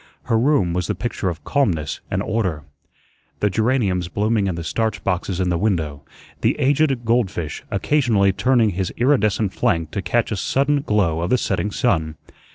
Her room was the picture of calmness and order. The geraniums blooming in the starch boxes in the window, the aged goldfish occasionally turning his iridescent flank to catch a sudden glow of the setting sun.